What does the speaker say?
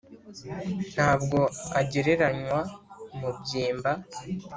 Nta bwo agereranywa mu mubyimba: